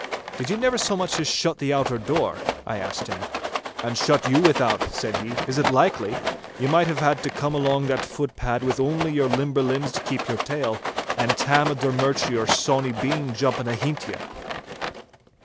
'Did you never so much as shut the outer door?' I asked him. 'And shut you without,' said he. 'Is it likely? Ye might have had to come along that footpad with only your limber legs to keep your tail, and Tam o' Drummurchie or Sawny Bean jumping ahint ye!